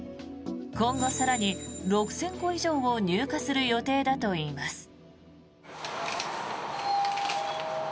今後、更に６０００個以上を入荷する予定だといいます。